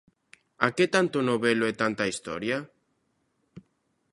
¿A que tanto novelo e tanta historia?